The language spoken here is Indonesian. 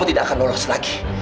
tidak akan lulus lagi